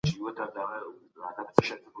د دوديزو طريقو بقا څنګه ده؟